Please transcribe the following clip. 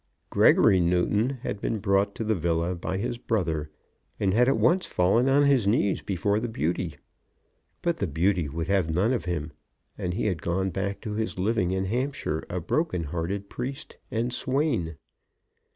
Gregory Newton had been brought to the villa by his brother, and had at once fallen on his knees before the beauty. But the beauty would have none of him, and he had gone back to his living in Hampshire a broken hearted priest and swain.